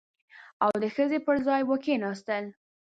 او د ښځې پر ځای به کښېناستل.